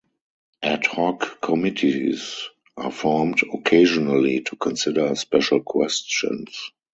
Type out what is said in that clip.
Ad hoc committees are formed occasionally to consider special questions.